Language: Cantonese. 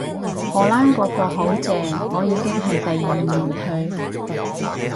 荷蘭個課好正，我已經係第二年去